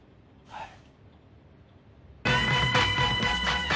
はい。